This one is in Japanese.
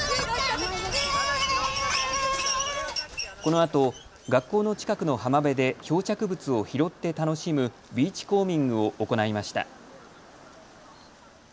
このあと学校の近くの浜辺で漂着物を拾って楽しむビーチコーミングを行いました。